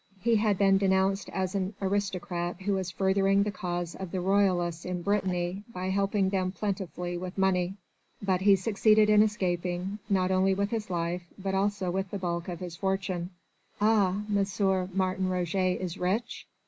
He had been denounced as an aristocrat who was furthering the cause of the royalists in Brittany by helping them plentifully with money, but he succeeded in escaping, not only with his life, but also with the bulk of his fortune." "Ah! M. Martin Roget is rich?"